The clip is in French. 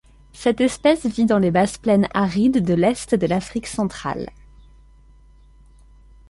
Cette espèce vit dans les basses plaines arides de l'est de l'Afrique centrale.